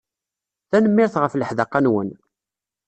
Tanemmirt ɣef leḥdaqa-nwen.